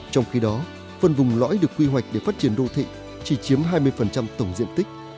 trong khi đó phân vùng lõi được quy hoạch để phát triển đô thị chỉ chiếm hai mươi tổng diện tích